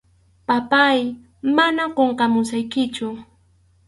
Papáy, manam qunqamusaykichu.